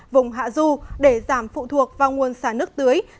vùng hạ du để giảm phụ thuộc vào nguồn xả nước tưới